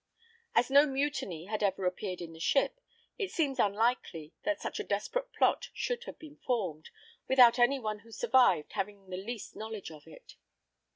As no mutiny had ever appeared in the ship, it seems unlikely that such a desperate plot should have been formed, without any one who survived having the least knowledge of it.